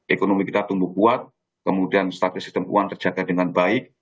ekonomi kita tumbuh kuat kemudian statistik tempuhan terjaga dengan baik